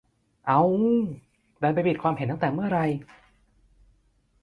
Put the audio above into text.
เอ๊า ดันไปปิดความเห็นตั้งแต่เมื่อไหร่